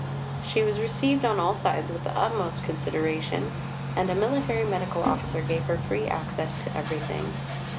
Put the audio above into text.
She was received on all sides with the utmost consideration, and a Military Medical Officer gave her free access to everything.